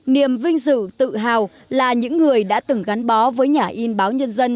niềm vinh dự tự hào là những người đã từng gắn bó với nhà in báo nhân dân